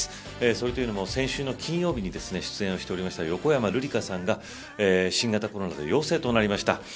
それというのも、先週の金曜日に出演しておりました横山ルリカさんが新型コロナで陽性となりました。